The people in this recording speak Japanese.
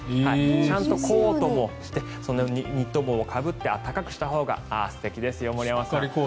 ちゃんとコートも着てニット帽もかぶって暖かくしたほうがああ素敵です、森山さん。